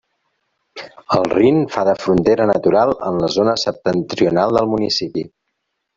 El Rin fa de frontera natural en la zona septentrional del municipi.